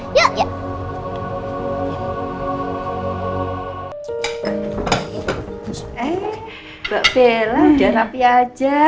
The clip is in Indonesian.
mbak bella udah rapi aja